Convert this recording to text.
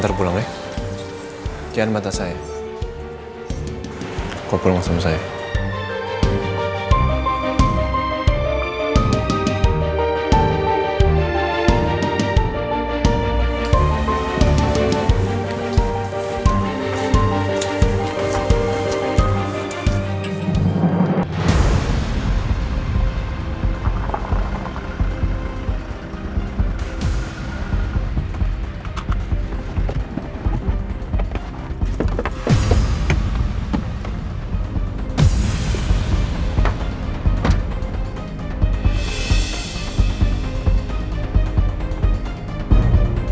aku minta ada bangunan